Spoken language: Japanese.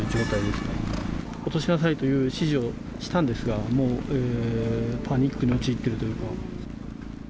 落しなさいという指示をしたんですが、もうパニックに陥っているというか。